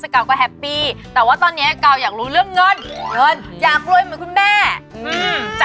น้ำมีอะไรทำเยอะแยะ